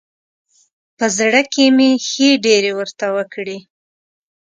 په زړه کې مې ښې ډېرې ورته وکړې.